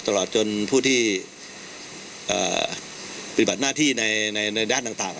ตลอดจนผู้ที่ปฏิบัติหน้าที่ในด้านต่าง